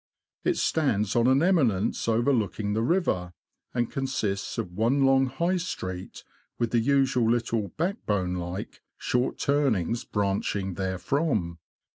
It stands on an eminence over looking the river, and consists of one long High Street, with the usual little "backbone like," short turnings, branching therefrom.